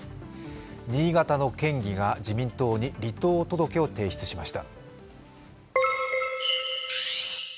新潟の県議が自民党に離党届を提出しました。